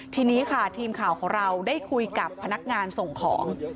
ทีนี้ค่ะทีมข่าวของเราได้คุยกับพนักงานส่งของ